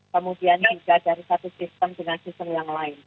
kemudian juga dari satu sistem dengan sistem yang lain